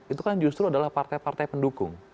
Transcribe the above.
itu kan justru adalah partai partai pendukung